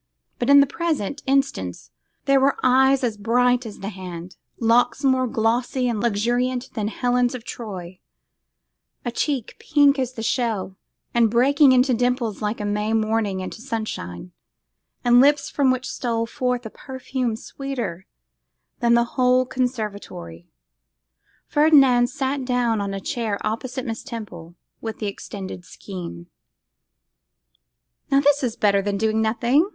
But in the present instance there were eyes as bright as the hand, locks more glossy and luxuriant than Helen's of Troy, a cheek pink as a shell, and breaking into dimples like a May morning into sunshine, and lips from which stole forth a perfume sweeter than the whole conservatory. Ferdinand sat down on a chair opposite Miss Temple, with the extended skein. 'Now this is better than doing nothing!